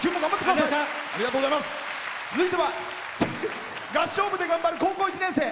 続いては合唱部で頑張る高校１年生。